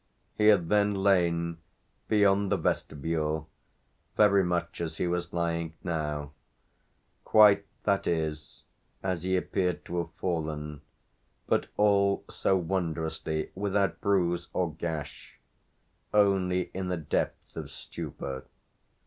He had then lain, beyond the vestibule, very much as he was lying now quite, that is, as he appeared to have fallen, but all so wondrously without bruise or gash; only in a depth of stupor.